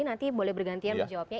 nanti boleh bergantian jawabnya